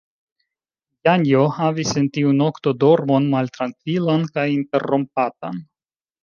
Janjo havis en tiu nokto dormon maltrankvilan kaj interrompatan.